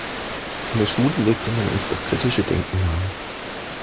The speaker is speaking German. In der Schule legte man uns das kritische Denken nahe.